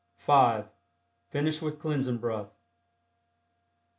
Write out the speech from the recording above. (5) Finish with Cleansing Breath.